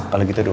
kalau gitu dua